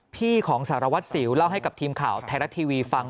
พี่ของสารวัตรสิวเล่าให้กับทีมข่าวไทยรัฐทีวีฟัง